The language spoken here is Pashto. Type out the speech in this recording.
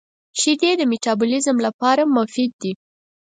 • شیدې د مټابولیزم لپاره مفید دي.